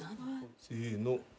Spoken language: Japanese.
せの。